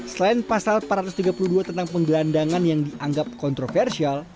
selain pasal empat ratus tiga puluh dua tentang penggelandangan yang dianggap kontroversial